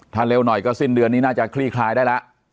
ถ้าเร็วหน่อยก็สิ้นเดือนนี้น่าจะคลี่คลายได้แล้ว